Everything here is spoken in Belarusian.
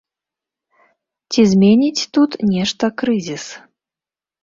Ці зменіць тут нешта крызіс?